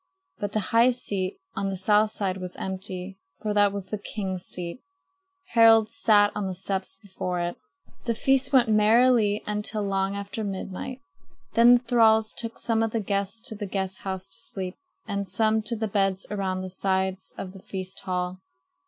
But the high seat on the south side was empty; for that was the king's seat. Harald sat on the steps before it. The feast went merrily until long after midnight. Then the thralls took some of the guests to the guest house to sleep, and some to the beds around the sides of the feast hall.